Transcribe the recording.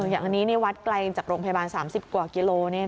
อย่างนี้วัดไกลจากโรงพยาบาล๓๐กว่ากิโล